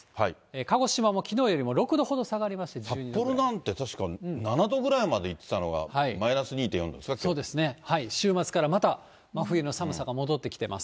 鹿児島もきのうよりも６度ほど下がりまして札幌なんて、７度ぐらいまでいってたのが、マイナス４．２度週末からまた真冬の寒さが戻ってきてます。